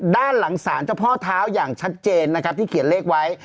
ด้านหลังศาลเจ้าพ่อเท้าอย่างชัดเจนนะครับที่เขียนเลขไว้